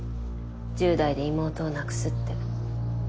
１０代で妹を亡くすって。